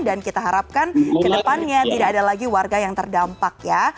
dan kita harapkan kedepannya tidak ada lagi warga yang terdampak ya